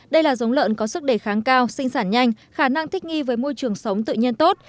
đây là giống lợn có sức đề kháng cao sinh sản nhanh khả năng thích nghi với môi trường sống tự nhiên tốt